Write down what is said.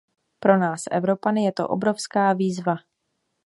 Pro nás Evropany je to obrovská výzva.